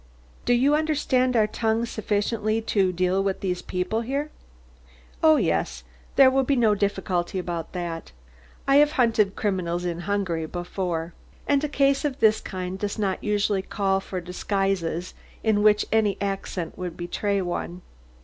"Do you understand our tongue sufficiently to deal with these people here?" "Oh, yes; there will be no difficulty about that. I have hunted criminals in Hungary before. And a case of this kind does not usually call for disguises in which any accent would betray one."